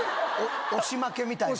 押し負けみたいなな。